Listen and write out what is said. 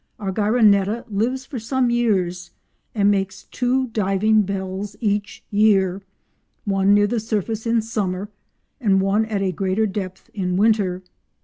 Argyroneta lives for some years, and makes two diving bells each year—one near the surface in summer and one at a greater depth in winter.